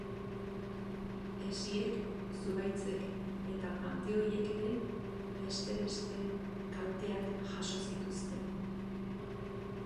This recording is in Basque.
Hesiek, zuhaitzek eta panteoiek ere, beste beste, kalteak jaso zituzten.